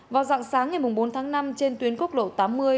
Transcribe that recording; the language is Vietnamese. vào dặn sáng ngày bốn tháng năm trên tuyến quốc lộ